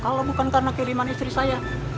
kalau bukan karena kiriman istri saya